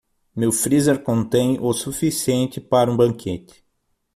Meu freezer contém o suficiente para um banquete.